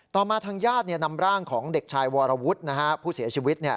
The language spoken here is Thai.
มาทางญาตินำร่างของเด็กชายวรวุฒินะฮะผู้เสียชีวิต